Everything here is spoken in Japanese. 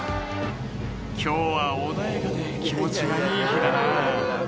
「今日は穏やかで気持ちがいい日だな」